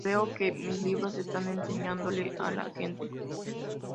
Creo que mis libros están enseñándole a la gente.